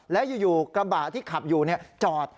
แล้วอยู่กระบะที่ขับอยู่จอด